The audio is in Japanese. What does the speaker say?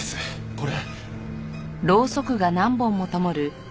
これ。